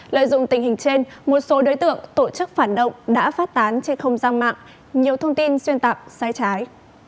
lợi dụng tình hình trên một số đối tượng tổ chức phản động đã phát tán trên không gian mạng nhiều thông tin xuyên tạc sai trái